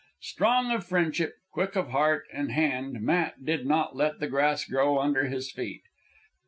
Strong of friendship, quick of heart and hand, Matt did not let the grass grow under his feet.